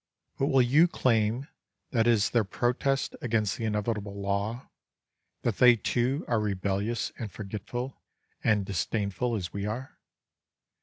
But will you claim that it is their protest against the inevitable law, that they too are rebellious and forgetful and disdainful as we are?